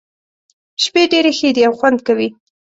شپې ډېرې ښې دي او خوند کوي.